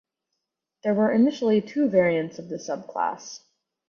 There were initially two variants of this sub-class.